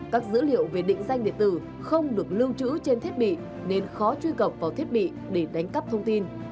các dữ liệu về định danh điện tử không được lưu trữ trên thiết bị nên khó truy cập vào thiết bị để đánh cắp thông tin